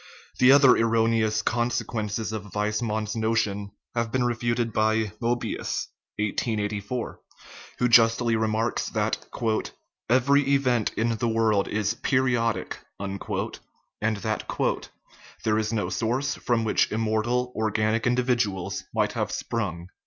The other erroneous consequences of Weismann's notion have been refuted by Moebius (1884), who justly re marks that " every event in the world is periodic," and that " there is no source from which immortal organic individuals might have sprung."